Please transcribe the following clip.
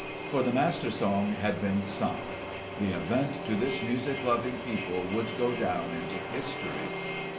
For the Master Song had been sung! the event to this music loving people would go down into history.